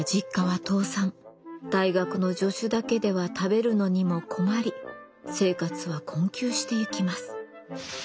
大学の助手だけでは食べるのにも困り生活は困窮してゆきます。